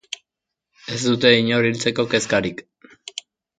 Ez dute inor hiltzeko kezkarik.